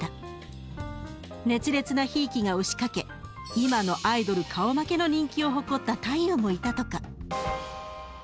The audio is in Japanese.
熱烈なひいきが押しかけ今のアイドル顔負けの人気を誇った太夫もいたとか。